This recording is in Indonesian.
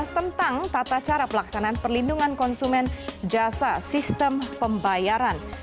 tentang tata cara pelaksanaan perlindungan konsumen jasa sistem pembayaran